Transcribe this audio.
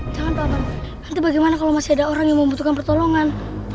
jangan pak aman nanti bagaimana kalau masih ada orang yang membutuhkan pertolongan